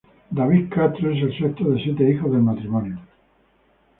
David Castro es el sexto de siete hijos del matrimonio.